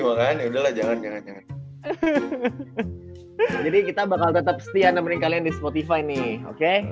makanya udahlah jangan jangan jangan jadi kita bakal tetap setia nemerin kalian di spotify nih oke